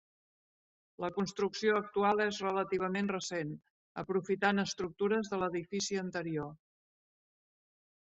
La construcció actual és relativament recent, aprofitant estructures de l'edifici anterior.